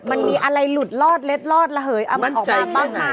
มันมีอะไรหลุดลอดเล็ดลอดระเหยเอามันออกมาบ้างไหม